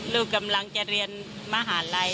ลูกกำลังจะเรียนมหาลัย